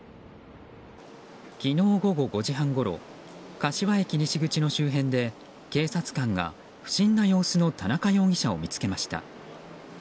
昨日午後５時半ごろ柏駅西口の周辺で警察官が不審な様子の田中容疑者を見つけました。